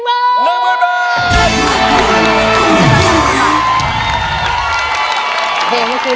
ก็ได้ที่๕